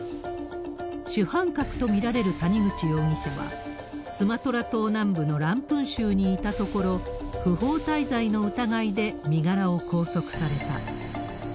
主犯格と見られる谷口容疑者は、スマトラ島南部のランプン州にいたところ、不法滞在の疑いで身柄を拘束された。